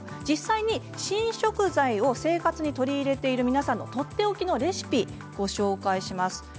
実際に新食材を生活に取り入れている皆さんのとっておきのレシピご紹介します。